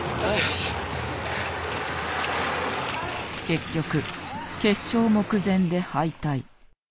結局決勝目前で敗退。